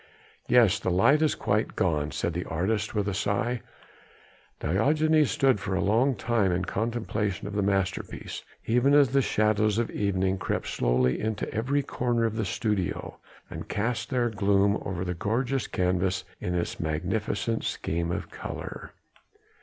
"Yes. The light has quite gone," said the artist with a sigh. Diogenes stood for a long time in contemplation of the masterpiece, even as the shadows of evening crept slowly into every corner of the studio and cast their gloom over the gorgeous canvas in its magnificent scheme of colour.